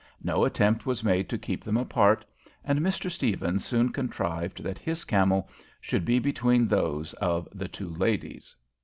No attempt was made to keep them apart, and Mr. Stephens soon contrived that his camel should be between those of the two ladies.